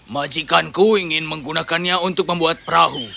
majikanku ingin menggunakannya untuk membuat perahu